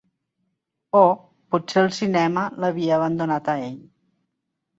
O, potser el cinema l'havia abandonat a ell.